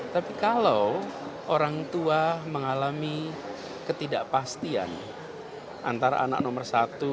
tapi kalau orang tua mengalami ketidakpastian antara anak nomor satu